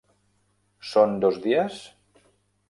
Són dos dies?